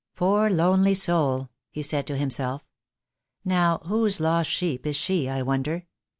"Poor lonely soul," he said to himself. "Now, whose lost sheep is she, I wonder?